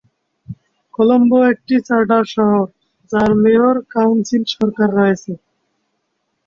কলম্বো একটি চার্টার শহর, যার মেয়র-কাউন্সিল সরকার রয়েছে।